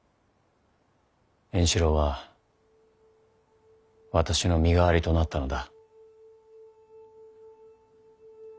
円四郎は私の身代わりとなったのだ。